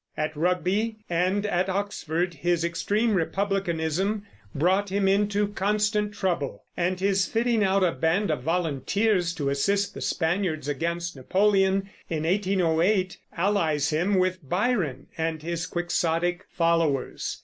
At Rugby, and at Oxford, his extreme Republicanism brought him into constant trouble; and his fitting out a band of volunteers to assist the Spaniards against Napoleon, in 1808, allies him with Byron and his Quixotic followers.